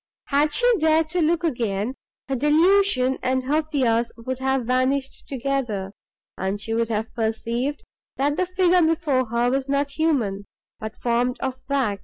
Had she dared to look again, her delusion and her fears would have vanished together, and she would have perceived, that the figure before her was not human, but formed of wax.